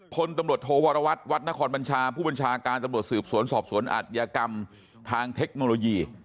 พลตำรวจโทวรวัตรวัดนครบัญชาผู้บัญชาการตำรวจสืบสวนสอบสวนอัธยกรรมทางเทคโนโลยี